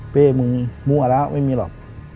มึงมั่วแล้วไม่มีหรอก